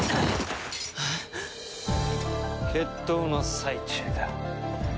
決闘の最中だ。